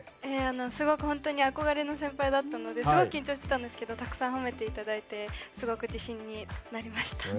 すごく本当に憧れの先輩だったのですごく緊張してたんですけどたくさん褒めていただいてすごく自信になりました。